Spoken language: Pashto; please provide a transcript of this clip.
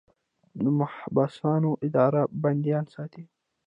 د محبسونو اداره بندیان ساتي